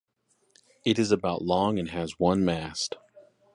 It is about long and has one mast.